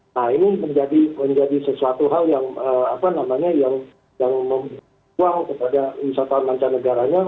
nah ini menjadi sesuatu hal yang membuang kepada wisata wisata negaranya